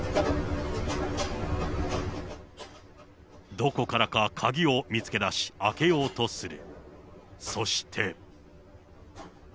どこからか鍵を見つけ出し、開けようとする。